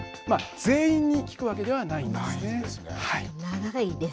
全員に効くわけではないんですね。